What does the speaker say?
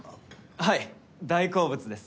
はい大好物です。